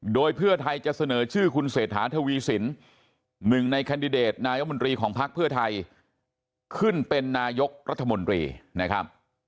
โดยเพื่อไทยจะเสนอชื่อคุณเศรษฐาทวีสินหนึ่งในแคนดิเดตนายมนตรีของพักเพื่อไทยขึ้นเป็นนายกรัฐมนตรีนะครับ